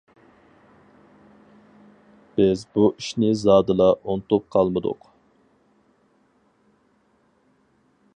بىز بۇ ئىشنى زادىلا ئۇنتۇپ قالمىدۇق.